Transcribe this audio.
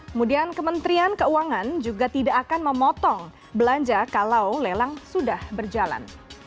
kemudian kementerian keuangan juga tidak akan memotong belanja kalau lelang sudah berjalan